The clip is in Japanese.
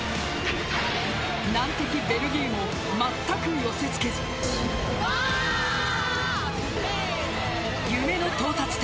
難敵ベルギーもまったく寄せつけず夢の到達点